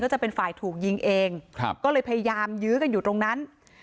จะเป็นฝ่ายถูกยิงเองครับก็เลยพยายามยื้อกันอยู่ตรงนั้น